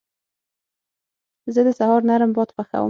زه د سهار نرم باد خوښوم.